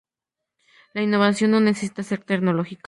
La innovación no necesita ser tecnológica.